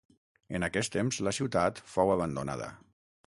En aquest temps la ciutat fou abandonada.